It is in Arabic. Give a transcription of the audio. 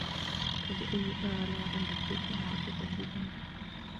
فَبِأَيِّ آلاء رَبِّكُمَا تُكَذِّبَانِ